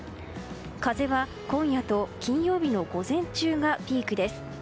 風は今夜と金曜日の午前中がピークです。